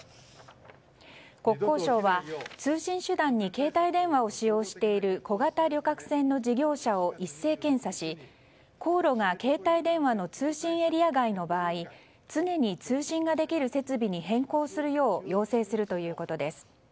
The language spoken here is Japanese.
国交省は、通信手段に携帯電話を使用している小型旅客船の事業者を一斉検査し航路が携帯電話の通信エリア外の場合常に通信ができる設備に変更するよう要請するということです。